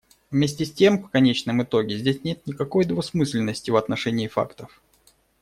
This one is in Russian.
Вместе с тем, в конечном итоге здесь нет никакой двусмысленности в отношении фактов.